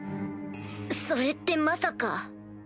それってまさか。